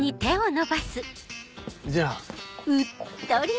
じゃあ。